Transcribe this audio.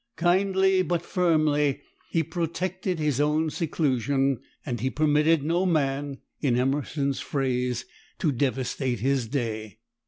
Kindly but firmly he protected his own seclusion, and he permitted no man, in Emerson's phrase, to devastate his day.